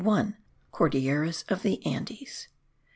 CORDILLERAS OF THE ANDES.